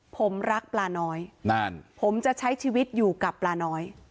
ผมรักปลาน้อยนั่นผมจะใช้ชีวิตอยู่กับปลาน้อย